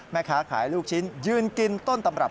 แม่ค้าขายลูกชิ้นยืนกินต้นตำรับ